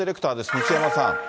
西山さん。